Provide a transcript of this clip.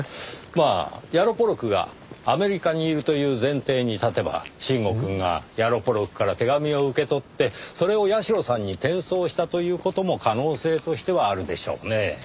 まあヤロポロクがアメリカにいるという前提に立てば臣吾くんがヤロポロクから手紙を受け取ってそれを社さんに転送したという事も可能性としてはあるでしょうねぇ。